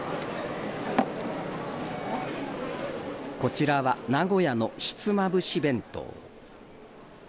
こちらは名古屋のひつまぶし弁当。